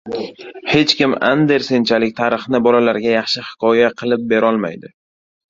Hech kim Andersenchalik tarixni bolalarga yaxshi hikoya qilib berolmaydi.